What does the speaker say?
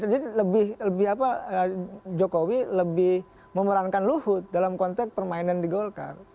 jadi lebih lebih apa jokowi lebih memerankan luhut dalam konteks permainan di golkar